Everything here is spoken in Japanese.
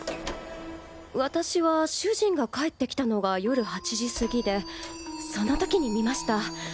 私は主人が帰ってきたのが夜８時過ぎでその時に見ました。